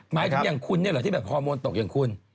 หมายถึงอย่างคุณที่ฮอตโมนตกอย่างคุณ